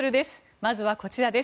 まずは、こちらです。